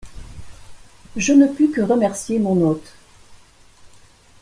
Je ne pus que remercier mon hôte.